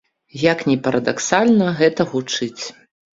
Як ні парадаксальна гэта гучыць.